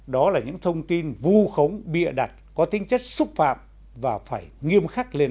đó là những thông tin vu khống bị ạ đặt có tính chất xúc phạm và phải nghiêm khắc lên án